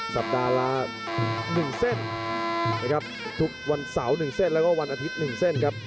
สัปดาห์ละ๑เส้นนะครับทุกวันเสาร์๑เส้นแล้วก็วันอาทิตย์๑เส้นครับ